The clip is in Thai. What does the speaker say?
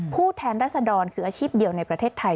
แทนรัศดรคืออาชีพเดียวในประเทศไทย